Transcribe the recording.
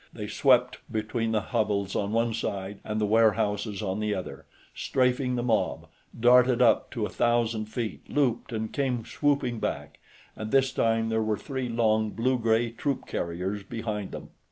They swept between the hovels on one side and the warehouses on the other, strafing the mob, darted up to a thousand feet, looped, and came swooping back, and this time there were three long blue gray troop carriers behind them.